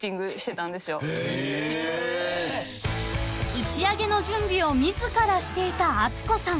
［打ち上げの準備を自らしていたアツコさん］